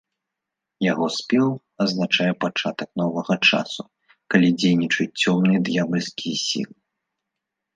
Яго спеў азначае пачатак новага часу, калі дзейнічаюць цёмныя д'ябальскія сілы.